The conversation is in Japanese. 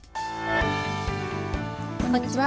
こんにちは。